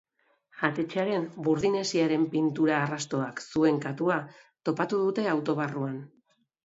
Jatetxearen burdin hesiaren pintura arrastoak zuen katua topatu dute auto barruan.